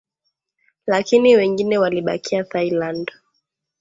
lakini wengine walibakia Thailand